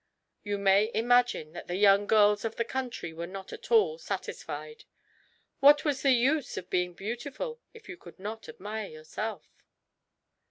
You may imagine that the young girls of the country were not at all satisfied. What was the use of being beautiful if you could not admire yourself?